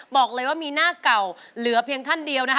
บอกเลยว่ามีหน้าเก่าเหลือเพียงท่านเดียวนะคะ